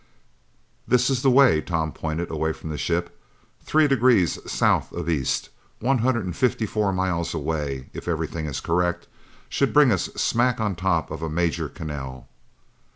"This is the way." Tom pointed away from the ship. "Three degrees south of east, one hundred and fifty four miles away, if everything is correct, should bring us smack on top of a major canal."